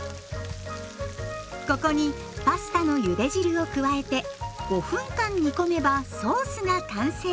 ここにパスタのゆで汁を加えて５分間煮込めばソースが完成。